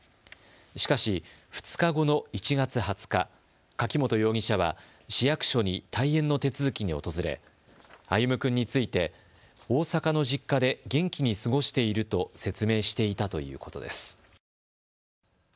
しかし２日後の１月２０日、柿本容疑者は市役所に退園の手続きに訪れ歩夢君について大阪の実家で元気に過ごしていると説明していたということです。